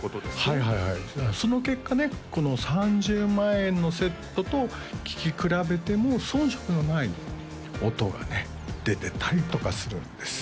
はいはいはいその結果ねこの３０万円のセットと聴き比べても遜色のない音がね出てたりとかするんですよ